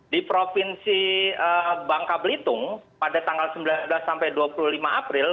di provinsi bangka belitung pada tanggal sembilan belas sampai dua puluh lima april